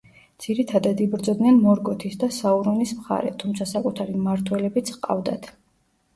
ძირითადად იბრძოდნენ მორგოთის და საურონის მხარე, თუმცა საკუთარი მმართველებიც ჰყავდათ.